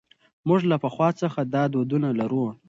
موږ له پخوا څخه دا دودونه لرو.